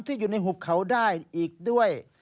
ที่อยู่ในหุบเขาได้อีกด้วย